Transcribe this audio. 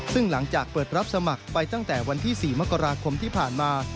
ซึ่งหลังจากเปิดรับสมัครไปตั้งแต่วันที่๔มกราคมที่ผ่านมา